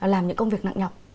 làm những công việc nặng nhọc